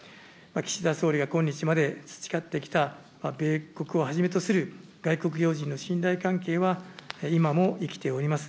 岸田総理が今日まで培ってきた米国をはじめとする外国要人の信頼関係は今も生きております。